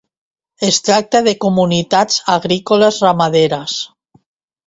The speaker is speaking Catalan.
Es tracte de comunitats agrícoles ramaderes.